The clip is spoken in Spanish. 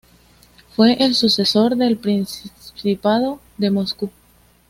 Fue el sucesor del Principado de Moscú.